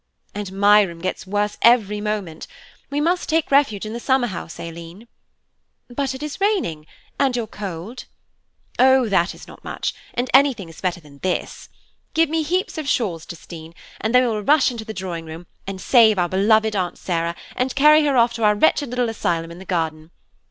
"And my room gets worse every moment. We must take refuge in the summer house, Aileen." "But it is raining, and your cold?" "Oh, that is not much, and anything is better than this. Give me heaps of shawls, Justine, and then we will rush into the drawing room, and save our beloved Aunt Sarah, and carry her off to our wretched little asylum in the garden.